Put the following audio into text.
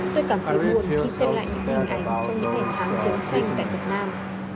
tôi cảm thấy buồn khi xem lại những hình ảnh trong những ngày tháng chiến tranh tại việt nam